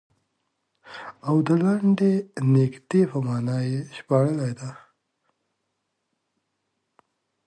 او د لنډې نېزې په معنا یې ژباړلې ده.